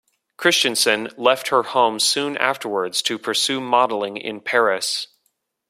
Christensen left her home soon afterwards to pursue modeling in Paris.